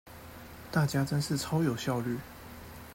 大家真是超有效率